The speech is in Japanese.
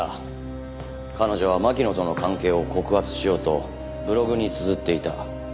彼女は巻乃との関係を告発しようとブログにつづっていた。